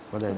bao giờ là